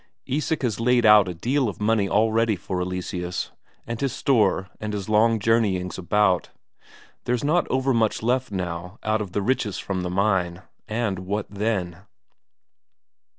Isak has laid out a deal of money already for Eleseus, and his store and his long journeyings about; there's not overmuch left now out of the riches from the mine and what then?